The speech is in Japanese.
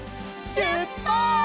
しゅっぱつ！